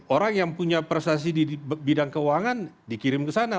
orang yang punya prestasi di bidang keuangan dikirim ke sana